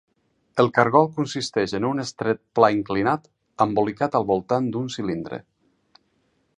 El cargol consisteix en un estret pla inclinat embolicat al voltant d'un cilindre.